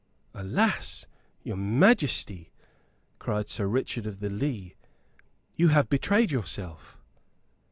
"Alas, your majesty," cried Sir Richard of the Lee, springing up; "you have betrayed yourself."